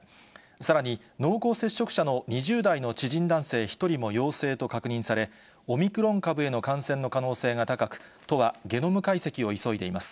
さらに、濃厚接触者の２０代の知人男性１人も陽性と確認され、オミクロン株への感染の可能性が高く、都はゲノム解析を急いでいます。